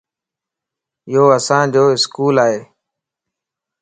يو اسان جو اسڪول ائي